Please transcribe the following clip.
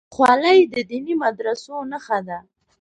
خولۍ د دیني مدرسو نښه ده.